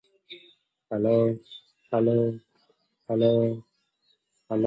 அத்தை மகளைச் கொள்ள முறை கேட்க வேண்டுமா?